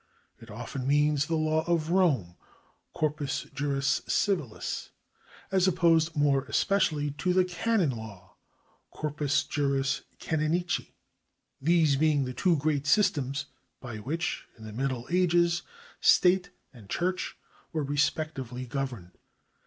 It often means the law of Rome {corpus juris civilis) as opposed more especially to the canon law (corpusjuris canonici), these being the two great sj'stems by which, in the Middle Ages, State and Church Avere respectively governed.